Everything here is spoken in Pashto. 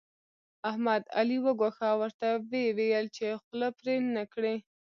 احمد؛ علي وګواښه او ورته ويې ويل چې خوله پرې نه کړې.